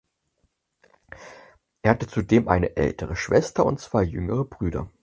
Er hatte zudem eine ältere Schwester und zwei jüngere Brüder.